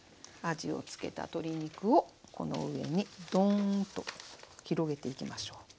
味を付けた鶏肉をこの上にドーンと広げていきましょう。